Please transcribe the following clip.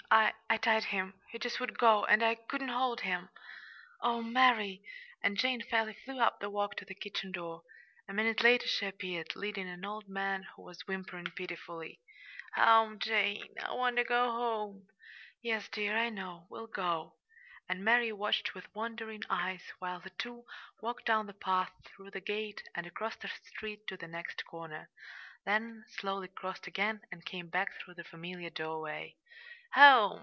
I I tied him. He just would go, and I couldn't hold him." "Oh, Mary!" And Jane fairly flew up the walk to the kitchen door. A minute later she appeared, leading an old man, who was whimpering pitifully. "Home, Jane. I want ter go home." "Yes, dear, I know. We'll go." And Mary watched with wondering eyes while the two walked down the path, through the gate and across the street to the next corner, then slowly crossed again and came back through the familiar doorway. "Home!"